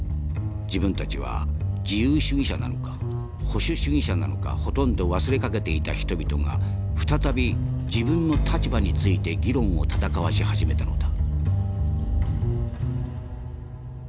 自分たちは自由主義者なのか保守主義者なのかほとんど忘れかけていた人々が再び自分の立場について議論を闘わし始めたのだ」。